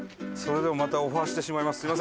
それでもまたオファーしてしまいます。